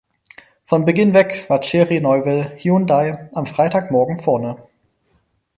Von Beginn weg war Thierry Neuville (Hyundai) am Freitagmorgen vorne.